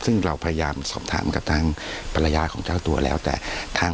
ซึ่งเราพยายามสอบถามกับทางภรรยาของเจ้าตัวแล้วแต่ทาง